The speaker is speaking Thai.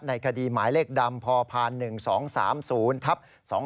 ในคดีหมายเลขดำพพหนึ่งสองสามศูนย์ทับ๒๕๖๐